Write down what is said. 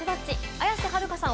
綾瀬はるかさん